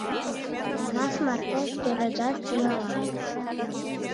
Кас марте тӱредаш тӱҥалам.